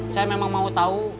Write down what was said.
saya memang mau tahu